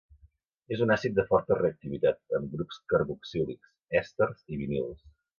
És un àcid de forta reactivitat amb grups carboxílics, èsters i vinils.